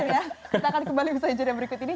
kita akan kembali bersama jurnal berikut ini